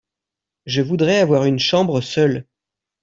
Je voudrais avoir une chambre seule.